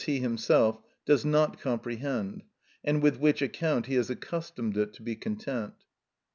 _, he himself, does not comprehend, and with which account he has accustomed it to be content.